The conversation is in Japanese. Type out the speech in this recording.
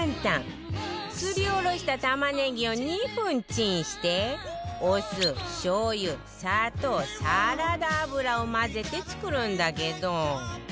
すりおろした玉ねぎを２分チンしてお酢しょう油砂糖サラダ油を混ぜて作るんだけど